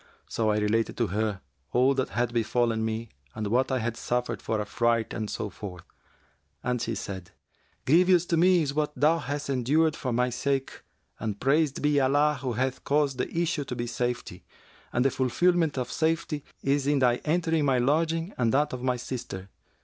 So I related to her all that had befallen me and what I had suffered for affright and so forth; and she said, 'Grievous to me is what thou hast endured for my sake and praised be Allah who hath caused the issue to be safety, and the fulfilment of safety is in thy entering my lodging and that of my sister.'